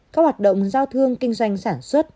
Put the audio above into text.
các hoạt động giao thương kinh doanh sản xuất